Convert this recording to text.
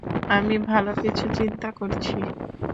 আমি ভাল কিছুই চিন্তা করছি।